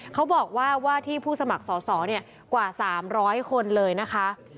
เขาบอกว่าว่าที่ผู้สมัครสอสอกว่า๓๐๐คนเลยนะคะ